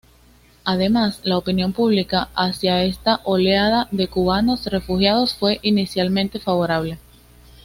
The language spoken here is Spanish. Además, la opinión pública hacia esta oleada de cubanos refugiados fue inicialmente favorable.